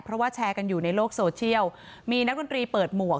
เพราะว่าแชร์กันอยู่ในโลกโซเชียลมีนักดนตรีเปิดหมวก